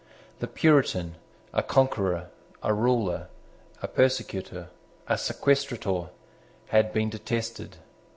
The Puritan, a conqueror, a ruler, a persecutor, a sequestrator, had been detested.